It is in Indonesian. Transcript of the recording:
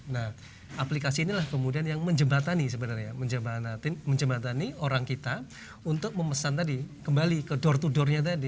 nah aplikasi inilah kemudian yang menjembatani sebenarnya menjembatani orang kita untuk memesan tadi kembali ke door to doornya tadi